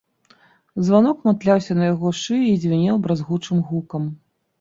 Званок матляўся на яго шыі і звінеў бразгучым гукам.